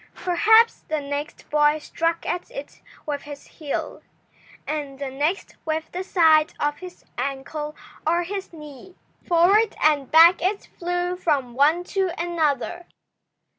Perhaps the next boy struck at it with his heel, and the next with the side of his ankle or his knee. Forward and back it flew from one to another.